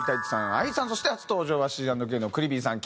ＡＩさんそして初登場はＣ＆ＫのＣＬＩＥＶＹさん